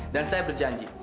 dan saya berjanji